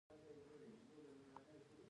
اوبه د موادو وزن مشخصوي.